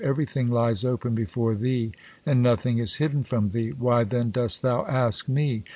Everything lies open before Thee, and nothing is hidden from Thee, why then dost Thou ask me?"